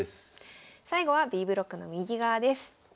最後はＢブロックの右側です。